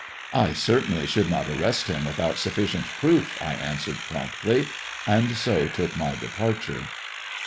"I certainly should not arrest him without sufficient proof," I answered promptly, and so took my departure.